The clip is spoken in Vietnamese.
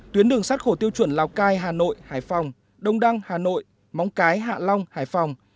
tuyến đường sát khổ tiêu chuẩn lào cai hà nội hải phòng đông đăng hà nội móng cái hạ long hải phòng